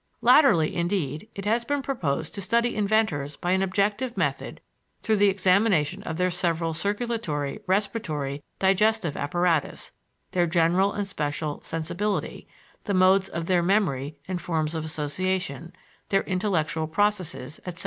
Latterly, indeed, it has been proposed to study inventors by an objective method through the examination of their several circulatory, respiratory, digestive apparatus; their general and special sensibility; the modes of their memory and forms of association, their intellectual processes, etc.